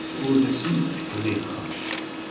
Ur asent-ttkellixeɣ.